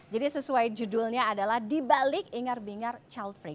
jadi sesuai judulnya adalah dibalik ingar bingar childfree